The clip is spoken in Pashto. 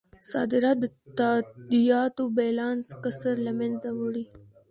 صادرات د تادیاتو بیلانس کسر له مینځه وړي.